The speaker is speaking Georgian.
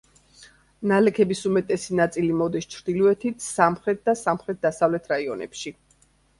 ნალექების უმეტესი ნაწილი მოდის ჩრდილოეთით, სამხრეთ და სამხრეთ-დასავლეთ რაიონებში.